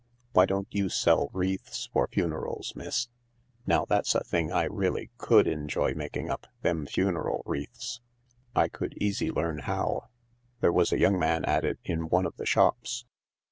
Why don't you sell wreaths for funerals, miss ? Now that's a thing I really could enjoy making up, them funeral wreaths. I could easy learn how. There was a young man at it in one of the shops.